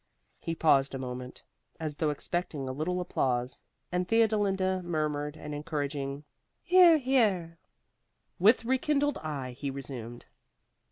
He paused a moment, as though expecting a little applause, and Theodolinda murmured an encouraging "Here, here." With rekindled eye he resumed.